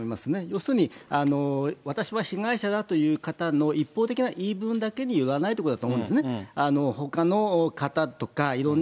要するに、私は被害者だという方の一方的な言い分だけによらないということ